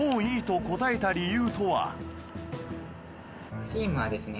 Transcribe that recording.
クリームはですね